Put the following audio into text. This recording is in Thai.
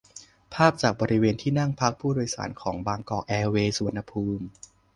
ภาพจากบริเวณที่นั่งพักผู้โดยสารของบางกอกแอร์เวยส์ สุวรรณภูมิ